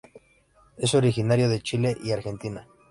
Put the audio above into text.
Es originario de Chile y Argentina.